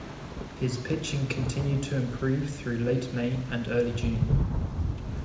His pitching continued to improve through late May and early June.